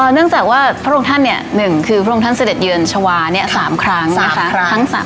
เนื่องจากว่าพระองค์ท่าน๑คือพระองค์ท่านเสด็จเยือนชาวา๓ครั้งนะคะ